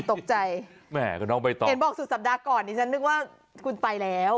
อ๋อตกใจแกนบอกสุดสัปดาห์ก่อนฉันนึกว่าคุณไปแล้ว